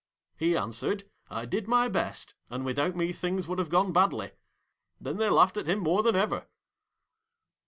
He answered, "I did my best, and without me things would have gone badly." Then they laughed at him more than ever.'